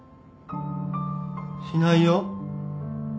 しないよ。